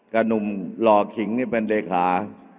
หนุ่มหล่อขิงนี่เป็นเลขา